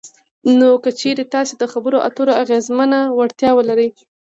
نو که چېرې تاسې دخبرو اترو اغیزمنه وړتیا ولرئ